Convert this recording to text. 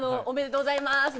「おめでとうございます」